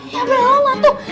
ya boleh lah ngatu